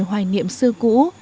hoài niệm xưa cũ